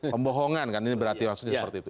pembohongan kan ini berarti maksudnya seperti itu